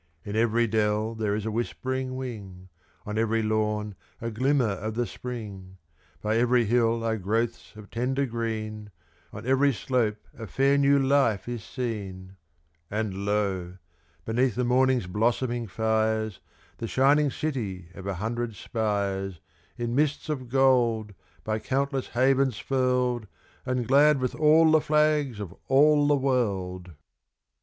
In every dell there is a whispering wing, On every lawn a glimmer of the Spring; By every hill are growths of tender green On every slope a fair, new life is seen; And lo! beneath the morning's blossoming fires, The shining city of a hundred spires, In mists of gold, by countless havens furled, And glad with all the flags of all the world!